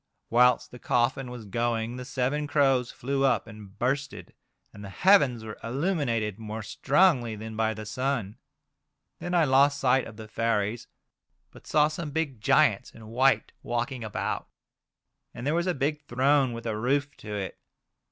Whilst the coffin was going the seven crows flew up and bursted, and the heavens were illuminated more strongly than by the sun. Then I lost sight of the fairies, but saw some big giants in white walking about, and there was a big throne with a roof to it.